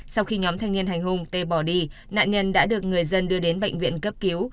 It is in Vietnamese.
sau khi nhóm thanh niên hành hung tê bỏ đi nạn nhân đã được người dân đưa đến bệnh viện cấp cứu